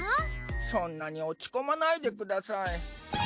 そんなに落ち込まないでください。